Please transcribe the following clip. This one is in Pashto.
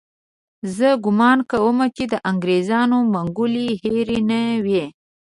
زه ګومان کوم چې د انګریزانو منګولې هېرې نه وي.